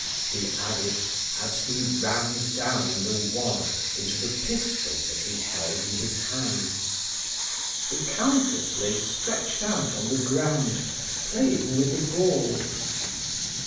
he added, as he rammed down the wad into the pistol that he held in his hands. The Countess lay stretched out on the ground, playing with the balls.